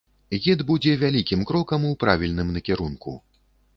Гід будзе вялікім крокам у правільным накірунку.